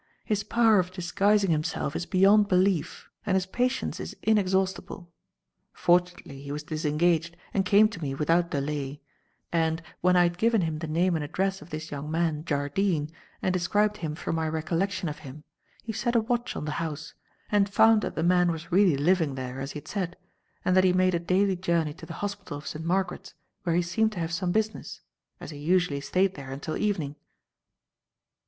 His power of disguising himself is beyond belief and his patience is inexhaustible. Fortunately he was disengaged and came to me without delay, and, when I had given him the name and address of this young man, Jardine, and described him from my recollection of him, he set a watch on the house and found that the man was really living there, as he had said, and that he made a daily journey to the hospital of St. Margaret's, where he seemed to have some business, as he usually stayed there until evening."